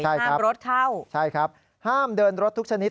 ใช่ครับใช่ครับห้ามเดินรถทุกชนิด